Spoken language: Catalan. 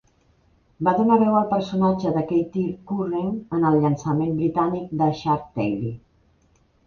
Va donar veu al personatge de Katie Current en el llançament britànic de "Shark Tale".